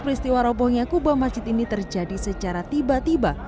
peristiwa robohnya kubah masjid ini terjadi secara tiba tiba